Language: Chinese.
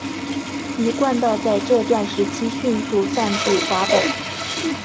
一贯道在这段时期迅速散布华北。